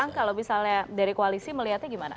bang kalau misalnya dari koalisi melihatnya gimana